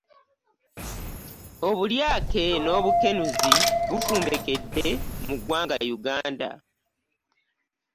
Obulyake n'obukenuzi bufumbekedde mu eggwanga Uganda.